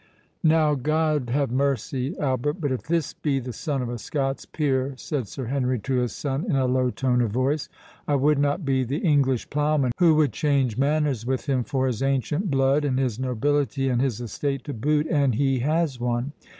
"Now, God ha'e mercy, Albert, but if this be the son of a Scots peer," said Sir Henry to his son, in a low tone of voice, "I would not be the English ploughman who would change manners with him for his ancient blood, and his nobility, and his estate to boot, an he has one.